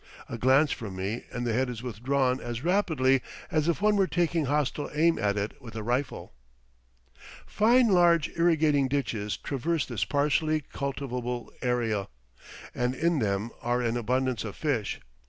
A glance from me, and the head is withdrawn as rapidly as if one were taking hostile aim at it with a rifle. Fine large irrigating ditches traverse this partially cultivable area, and in them are an abundance of fish.